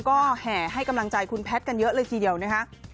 ก็แห่ให้กำลังใจคุณแพทย์กันเยอะเลยทีเดียวนะคะ